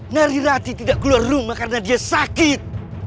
narirati tidak keluar rumah karena dia sakit